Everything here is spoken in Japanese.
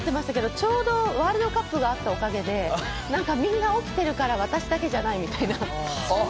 ちょうどワールドカップがあったおかげで、みんな起きてるから私だけじゃない！みたいな。